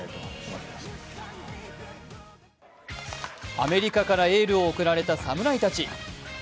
アメリカからエールを送られた侍たち。